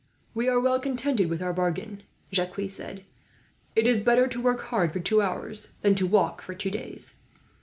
"We are well contented with our bargain," Jacques said. "It is better to work hard for two hours, than to walk for two days.